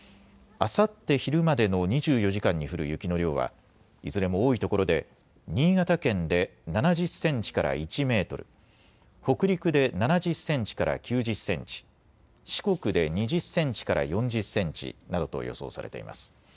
あさって昼までの２４時間に降る雪の量はいずれも多いところで新潟県で７０センチから１メートル、北陸で７０センチから９０センチ、四国で２０センチから４０センチなどと予想されています。